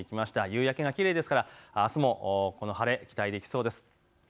夕焼けがきれいですからあすもこの晴れは期待できそうです。